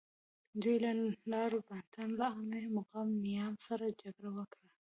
دوی له لاور بانتا له عالي مقام نیاما سره جګړه وکړه.